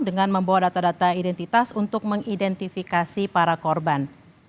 dengan membawa data data identitas untuk mengidentifikasi para korban